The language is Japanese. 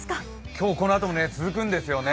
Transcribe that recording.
今日このあとも続くんですよね。